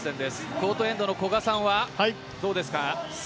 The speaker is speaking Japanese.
コートエンドの古賀さんはどうですか？